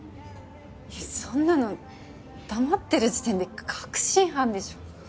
そんなの黙ってる時点で確信犯でしょ。